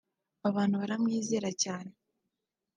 Abantu baramwizera cyane